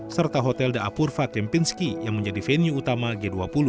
serta hotel dapurva kempinski yang menjadi venue utama g dua puluh